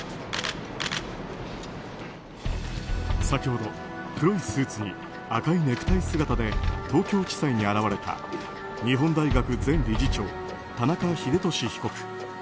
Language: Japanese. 先ほど、黒いスーツに赤いネクタイ姿で東京地裁に現れた日本大学前理事長・田中英寿被告。